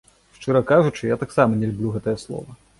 Шчыра кажучы, я таксама не люблю гэтае слова.